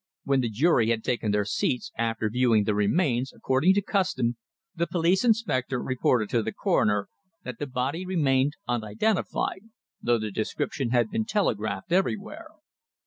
When the jury had taken their seats after viewing the remains, according to custom, the police inspector reported to the coroner that the body remained unidentified, though the description had been telegraphed everywhere.